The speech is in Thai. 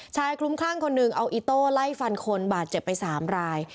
คลุ้มคลั่งคนหนึ่งเอาอิโต้ไล่ฟันคนบาดเจ็บไป๓ราย